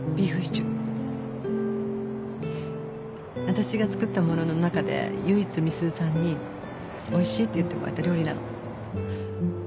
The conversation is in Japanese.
わたしが作ったものの中で唯一美鈴さんに「おいしい」って言ってもらえた料理なの。